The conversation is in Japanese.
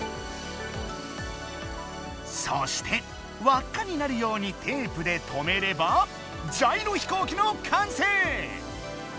そしてわっかになるようにテープでとめればジャイロ飛行機の完成！